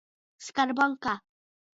Skarbonka.